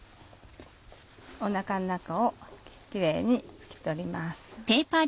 お腹の中をキレイに拭き取ります。